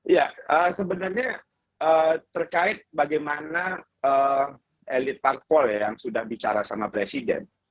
ya sebenarnya terkait bagaimana elit partpol yang sudah bicara sama presiden